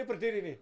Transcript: ini berdiri nih